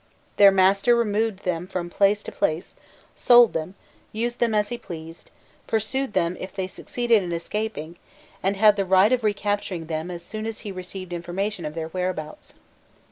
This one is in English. * Their master removed them from place to place, sold them, used them as he pleased, pursued them if they succeeded in escaping, and had the right of recapturing them as soon as he received information of their whereabouts.